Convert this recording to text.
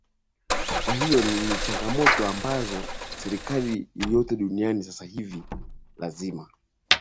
kwa hiyo ni changamoto ambazo serikali yoyote duniani sasa hivi lazima